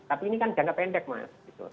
tapi ini kan jangka pendek mas